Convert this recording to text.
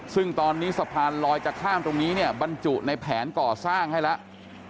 ซึ่งตอนนี้สะพานลอยจะข้ามตรงนี้เนี่ยบรรจุในแผนก่อสร้างให้แล้ว